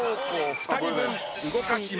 ２人分動かします。